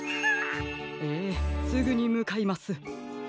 ええすぐにむかいます。